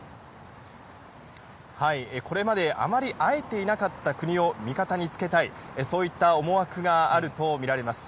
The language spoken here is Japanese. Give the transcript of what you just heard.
これまであまり会えていなかった国を味方につけたい、そういった思惑があると見られます。